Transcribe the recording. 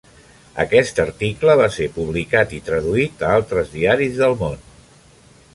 Aquest article va ser publicat i traduït a altres diaris del món.